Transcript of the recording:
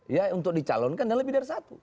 ya untuk dicalonkan dan lebih dari satu